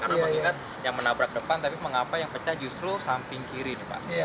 karena mengingat yang menabrak depan tapi mengapa yang pecah justru samping kiri nih pak